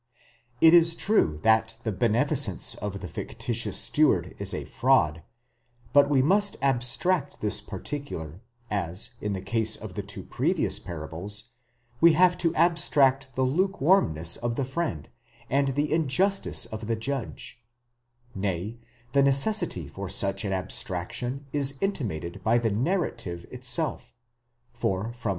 It is true that the beneficence of the fictitious steward is a fraud ; but we must abstract this particular, as, in the case of two previous parables, we have to abstract the lukewarmness of the friend, and the injustice of the judge: nay, the necessity for such an abstraction is intimated in the narrative itself, for from v.